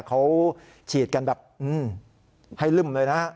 เขาฉีดกันแบบให้ลึ่มเลยนะ